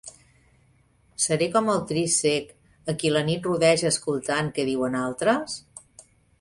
Seré com el trisc cec, a qui la nit rodeja escoltant què diuen altres?